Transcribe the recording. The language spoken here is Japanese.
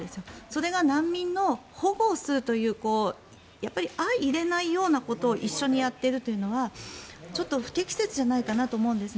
それが難民の保護をするというやっぱり相いれないようなことを一緒にやっているというのはちょっと不適切じゃないかなと思うんです。